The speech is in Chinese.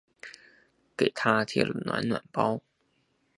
给她贴了暖暖包